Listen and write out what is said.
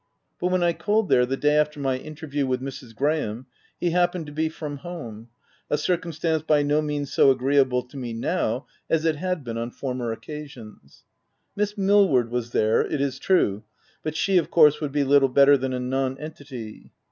But when I called there the OF W1LDFELL HALL. 151 day after my interview with Mrs. Graham, he happened to be from home — a circumstance by no means so agreeable to me now as it had been on former occasions. Miss Millward was there, it is true, but she, of course, would be little better than a non entity.